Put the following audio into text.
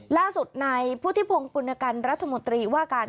ล่าสุดในผู้ที่พงษ์ปรุณกรรมรัฐมนตรีว่าการ